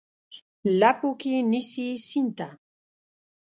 لپو کې نیسي سیند ته،